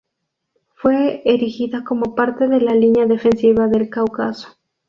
Fue erigida como parte de la línea defensiva del Cáucaso.